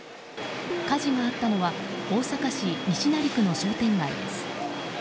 火事があったのは大阪市西成区の商店街です。